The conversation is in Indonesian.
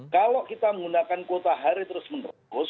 kalau kita menggunakan kuota hari terus menerus